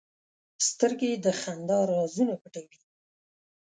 سترګې د خندا رازونه پټوي